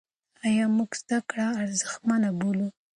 ایا موږ زده کړه ارزښتمنه بولو؟